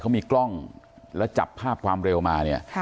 เขามีกล้องแล้วจับภาพความเร็วมาเนี่ย